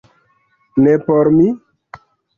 Ne por mi?